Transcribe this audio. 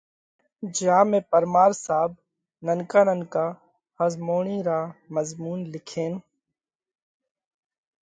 جيا ۾ پرمار صاحب ننڪا ننڪا ۿزموڻِي را مضمُونَ لکينَ